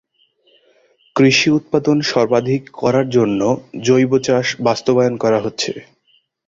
কৃষি উৎপাদন সর্বাধিক করার জন্য জৈব চাষ বাস্তবায়ন করা হচ্ছে।